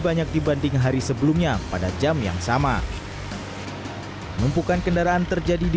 banyak dibanding hari sebelumnya pada jam yang sama numpukan kendaraan terjadi di